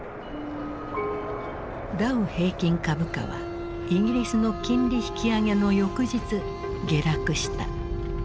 ダウ平均株価はイギリスの金利引き上げの翌日下落した。